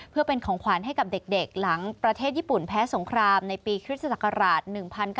เพื่อเป็นของขวัญให้กับเด็กหลังประเทศญี่ปุ่นแพ้สงครามในปีคริสตศักราช๑๙